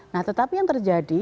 nah tetapi yang terjadi